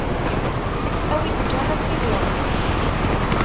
Awi-d kan ad tidireḍ.